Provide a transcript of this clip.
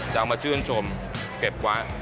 เอามาชื่นชมเก็บไว้